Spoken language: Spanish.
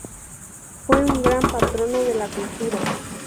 Fue un gran patrono de la cultura.